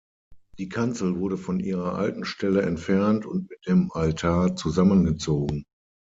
Die Kanzel wurde von ihrer alten Stelle entfernt und mit dem Altar zusammengezogen.